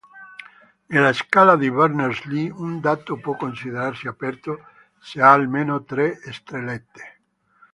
Nella scala di Berners-Lee, un dato può considerarsi aperto se ha almeno tre stellette.